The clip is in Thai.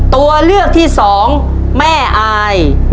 ตัวเลือกที่สองแม่อาย